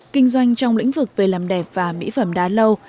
kinh doanh trong lĩnh vực về làm đẹp và mỹ phẩm đã lâu